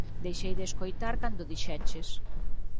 Deixei de escoitar cando dixeches